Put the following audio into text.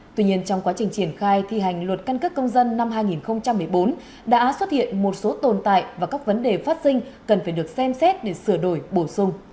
tuy nhiên trong quá trình triển khai thi hành luật căn cước công dân năm hai nghìn một mươi bốn đã xuất hiện một số tồn tại và các vấn đề phát sinh cần phải được xem xét để sửa đổi bổ sung